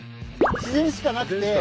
自然しかなくて。